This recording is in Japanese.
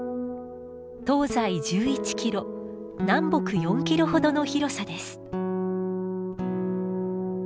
東西１１キロ南北４キロほどの広さです。